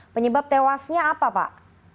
penyebab tewasnya apa pak